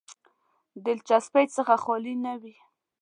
دلچسپۍ څخه خالي نه وي.